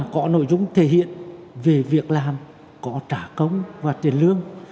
có nội dung thể hiện về việc làm có trả công và tiền lương